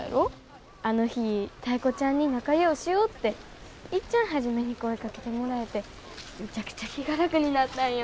あの日タイ子ちゃんに仲ようしようっていっちゃん初めに声かけてもらえてむちゃくちゃ気が楽になったんよ。